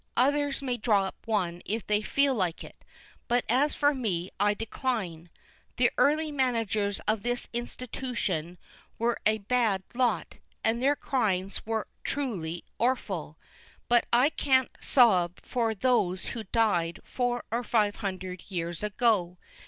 Others may drop one if they feel like it; but as for me, I decline. The early managers of this institootion were a bad lot, and their crimes were trooly orful; but I can't sob for those who died four or five hundred years ago.